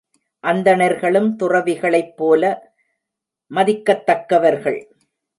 அந்தணர்களும் துறவிகளைப் போல மதிக்கத்தக்கவர்கள்.